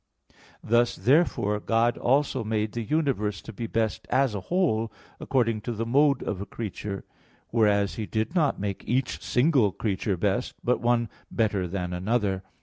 Thus, therefore, God also made the universe to be best as a whole, according to the mode of a creature; whereas He did not make each single creature best, but one better than another.